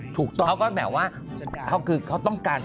ถูกต้องนะฮะเขาก็แบบว่าเขาคือเขาต้องการ